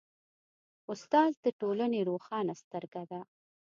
استاد د ټولنې روښانه سترګه ده.